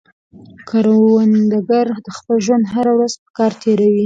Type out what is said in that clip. کروندګر د خپل ژوند هره ورځ په کار تېروي